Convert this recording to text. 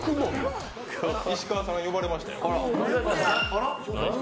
石川さんが呼ばれましたよ。